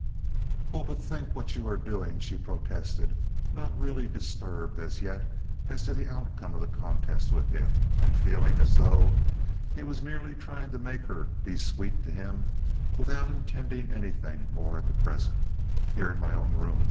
"Oh, but think what you are doing," she protested, not really disturbed as yet as to the outcome of the contest with him, and feeling as though he were merely trying to make her be sweet to him without intending anything more at present—"here in my own room!